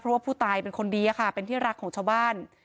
เพราะว่าผู้ตายเป็นคนดีค่ะเป็นที่รักของชาวบ้าน